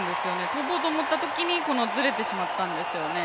跳ぼうと思ったときにずれてしまったんですよね。